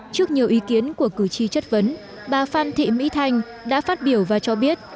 trước nhiều ý kiến của cử tri chất vấn bà phan thị mỹ thanh đã phát biểu và cho biết